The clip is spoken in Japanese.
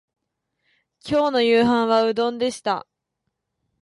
今日の夕飯はうどんでした